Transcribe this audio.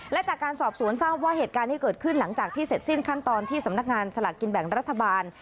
และจากการสอบสวนทราบว่าเหตุการณ์ที่เกิดขึ้นหลังจากที่เสร็จสิ้นขั้นตอนที่สำนักงานสลากกินแบ่งรัฐบาล